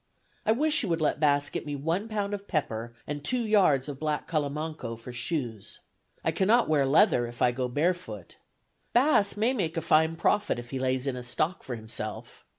I wish you would let Bass get me one pound of pepper and two yards of black calamanco for shoes. I cannot wear leather, if I go barefoot. Bass may make a fine profit if he lays in a stock for himself.